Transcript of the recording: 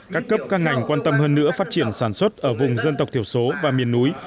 các cấp các ngành quan tâm hơn nữa phát triển sản xuất ở vùng dân tộc thiểu số và miền núi